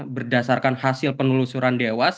berdasarkan hasil penelusuran dewas